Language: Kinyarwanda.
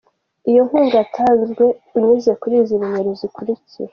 Iyo nkunga yatangwa unyuze kuri izi nimero zikurikira.